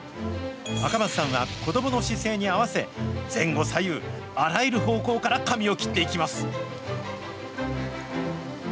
赤松さんは、子どもの姿勢に合わせ、前後左右、あらゆる方向から髪を切っていきます。